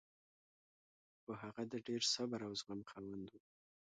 خو هغه د ډېر صبر او زغم خاوند و